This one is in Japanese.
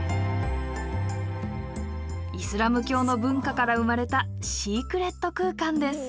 イスラム教の文化から生まれたシークレット空間です。